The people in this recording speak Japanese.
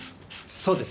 そうです。